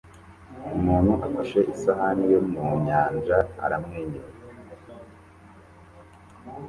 Umuntu afashe isahani yo mu nyanja aramwenyura